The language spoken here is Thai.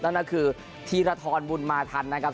นั่นก็คือธีรทรบุญมาทันนะครับ